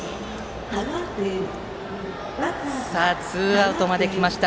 さあ、ツーアウトまで来ました、